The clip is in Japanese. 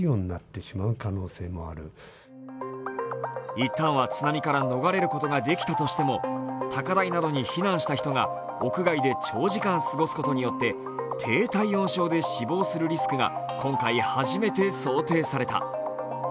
いったんは津波から逃れることができたとしても高台などに避難した人が屋外で長時間過ごすことによって低体温症で死亡するリスクが今回初めて想定された。